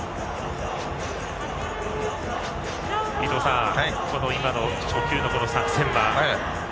伊東さん、今の初球の作戦は？